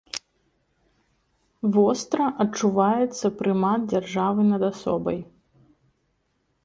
Востра адчуваецца прымат дзяржавы над асобай.